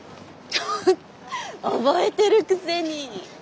ハハッ！覚えてるくせに！